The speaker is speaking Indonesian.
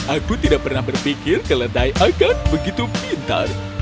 aku tidak pernah berpikir keledai akan begitu pintar